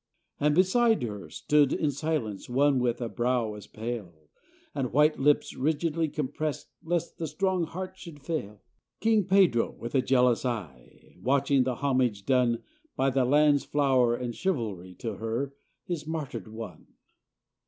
And beside her stood in silence One with a brow as pale. And white lips rigidly compressed. Lest the strong heart should fail: King Pedro, with a jealous eye, Watching the homage done By the land's flower and chivalry To her, his martyred one.